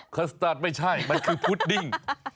ัสตาร์ทไม่ใช่มันคือพุดดิ้ง